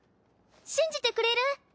信じてくれる？